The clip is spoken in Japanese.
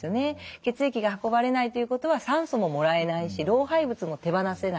血液が運ばれないということは酸素ももらえないし老廃物も手放せない。